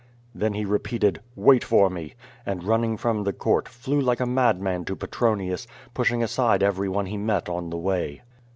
Then he repeated, "Wait for me," and running from the court, flew like a madman to Petronius, pushing aside every one he met on the way.